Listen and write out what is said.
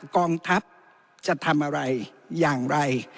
กองทัพจะทำอะไรอย่างไร